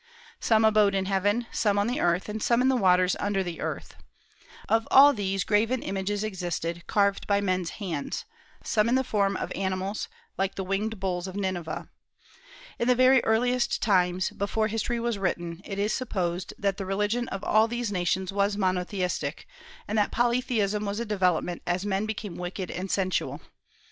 Some abode in heaven, some on the earth, and some in the waters under the earth. Of all these graven images existed, carved by men's hands, some in the form of animals, like the winged bulls of Nineveh. In the very earliest times, before history was written, it is supposed that the religion of all these nations was monotheistic, and that polytheism was a development as men became wicked and sensual.